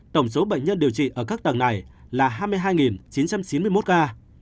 tổng số bệnh nhân điều trị ở các tầng này là hai mươi hai chín trăm chín mươi một ca